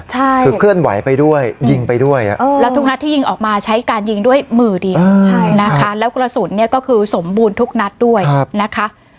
คือเคลื่อนไหวไปด้วยยิงไปด้วยแล้วทุกนัดที่ยิงออกมาใช้การยิงด้วยมือดีนะคะแล้วกระสุนเนี่ยก็คือสมบูรณ์ทุกนัดด้วยนะคะ